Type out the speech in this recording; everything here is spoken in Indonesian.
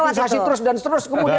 sosialisasi terus dan terus kemudian